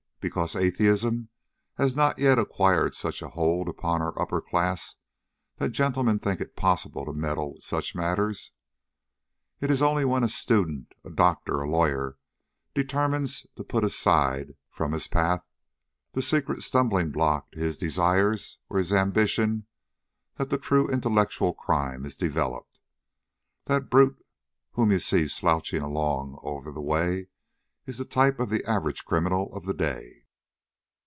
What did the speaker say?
Because atheism has not yet acquired such a hold upon our upper classes that gentlemen think it possible to meddle with such matters. It is only when a student, a doctor, a lawyer, determines to put aside from his path the secret stumbling block to his desires or his ambition that the true intellectual crime is developed. That brute whom you see slouching along over the way is the type of the average criminal of the day."